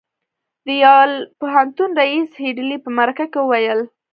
د یل پوهنتون ريیس هيډلي په مرکه کې وویل